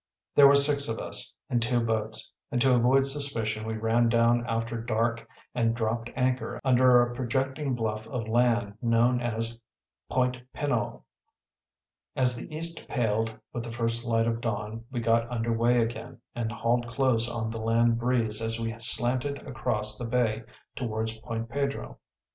There were six of us, in two boats, and to avoid suspicion we ran down after dark and dropped anchor under a projecting bluff of land known as Point Pinole. As the east paled with the first light of dawn we got under way again, and hauled close on the land breeze as we slanted across the bay toward Point Pedro.